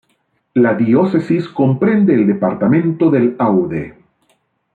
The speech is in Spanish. La diócesis comprende el departamento del Aude.